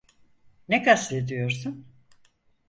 Ne kastediyorsun?